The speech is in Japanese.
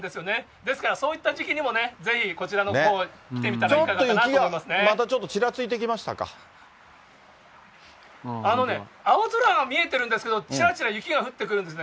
ですからそういった時期にもぜひこちらのほう、来てみたらいかがまたちょっと雪がちらついてあのね、青空は見えてるんですけれども、ちらちら雪が降ってくるんですね。